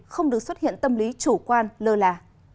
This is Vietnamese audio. không được xuất hiện tâm lý chủ quan lơ là